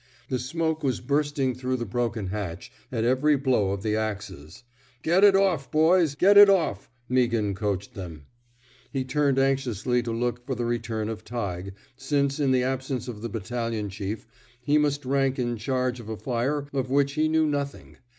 The smoke was bursting through the broken hatch at every blow of the axes. '' Get it off, boys! Get it off,'' Meaghan coached them. He turned anxiously to look for the return of Tighe, since, in the absence of the battal ion chief, he must rank in charge of a fire of which he knew nothing.